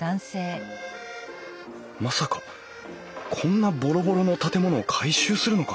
まさかこんなボロボロの建物を改修するのか？